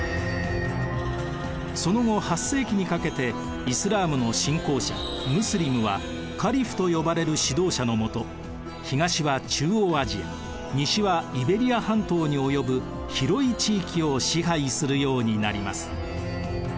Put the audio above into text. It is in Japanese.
その後８世紀にかけてイスラームの信仰者ムスリムはカリフと呼ばれる指導者の下東は中央アジア西はイベリア半島に及ぶ広い地域を支配するようになります。